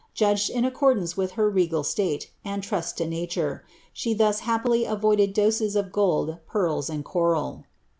judged in accordance with lier regal state, and trust lo nature ; she ihi;* happily avoided doses of gold. pearl<<, and coral.